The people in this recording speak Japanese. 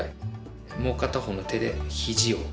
もう片方の手で肘を押す。